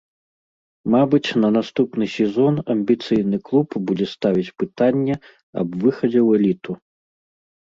Мабыць, на наступны сезон амбіцыйны клуб будзе ставіць пытанне аб выхадзе ў эліту.